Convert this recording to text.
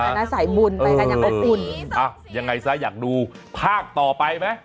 อะไรนะพากลงไปจะดูค่ะ